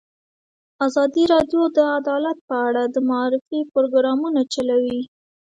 ازادي راډیو د عدالت په اړه د معارفې پروګرامونه چلولي.